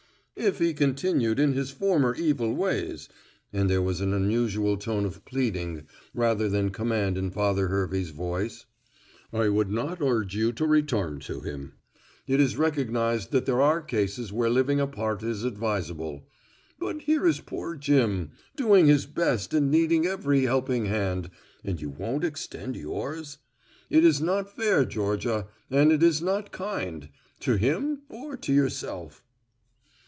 "If he continued in his former evil ways," and there was an unusual tone of pleading rather than command in Father Hervey's voice, "I would not urge you to return to him. It is recognized that there are cases where living apart is advisable. But here is poor Jim, doing his best and needing every helping hand, and you won't extend yours. It is not fair, Georgia, and it is not kind to him or to yourself."